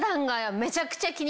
めちゃくちゃ安い！